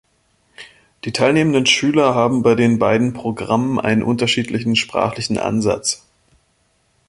Die teilnehmenden Schüler haben bei den beiden Programmen einen unterschiedlichen sprachlichen Ansatz.